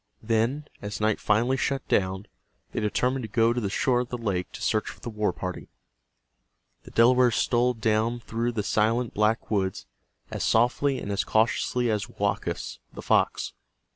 Then, as night finally shut down, they determined to go to the shore of the lake to search for the war party. The Delawares stole down through the silent black woods as softly and as cautiously as Woakus, the fox.